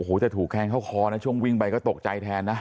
โอ้โหแต่ถูกแทงเข้าคอนะช่วงวิ่งไปก็ตกใจแทนนะ